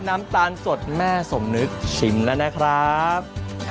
น้ำตาลสดแม่สมนึกชิมแล้วนะครับ